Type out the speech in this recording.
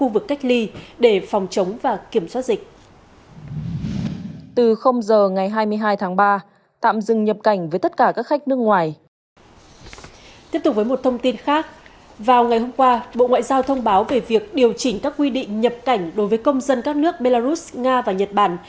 vào ngày hôm qua bộ ngoại giao thông báo về việc điều chỉnh các quy định nhập cảnh đối với công dân các nước belarus nga và nhật bản